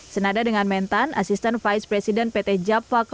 senada dengan mentan asisten vice president pt java